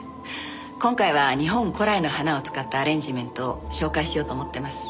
今回は日本古来の花を使ったアレンジメントを紹介しようと思ってます。